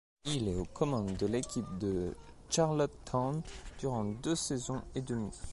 Il est aux commandes de l’équipe de Charlottetown durant deux saisons et demie.